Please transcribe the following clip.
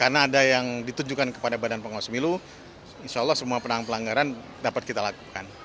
karena ada yang ditunjukkan kepada badan pengawas milu insya allah semua penanganan pelanggaran dapat kita lakukan